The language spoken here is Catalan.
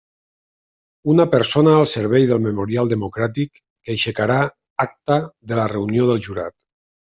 Una persona al servei del Memorial Democràtic, que aixecarà acta de la reunió del jurat.